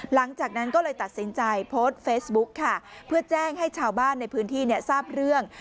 หลังจากนั้นก็เลยตัดสินใจโพสต์เฟซบุ๊กค่ะเพื่อแจ้งให้ชาวบ้านในพื้นที่เนี่ยทราบเรื่อง